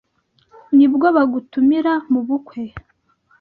nibwo bagutumira mu bukwe